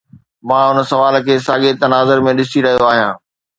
مان ان سوال کي ساڳئي تناظر ۾ ڏسي رهيو آهيان.